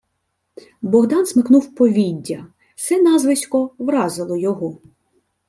Богдан смикнув повіддя. Се назвисько вразило його.